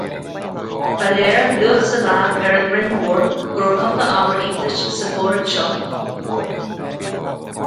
Ba léir luath sa lá ar an Rinn Mhór go raibh cúpla ábhar iontais sa gcomhaireamh seo.